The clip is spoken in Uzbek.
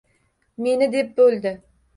Meni deb bo'ldi.